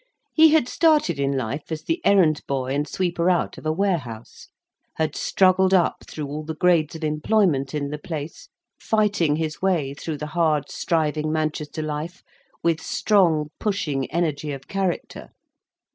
He had started in life as the errand boy and sweeper out of a warehouse; had struggled up through all the grades of employment in the place, fighting his way through the hard striving Manchester life with strong pushing energy of character.